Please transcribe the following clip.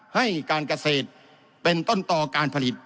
ให้การเกษตรเป็นต้นต่อการผลิต